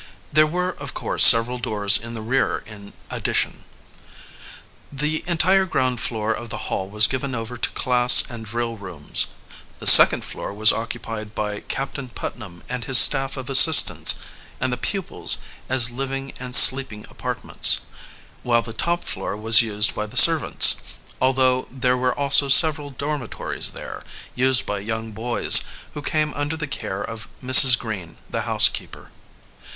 There were, of course, several doors in the rear in addition. The entire ground floor of the Hall was given over to class and drill rooms. The second floor was occupied by Captain Putnam and his staff of assistants and the pupils as living and sleeping apartments, while the top floor was used by the servants, although there were also several dormitories there, used by young boys, who came under the care of Mrs. Green, the housekeeper.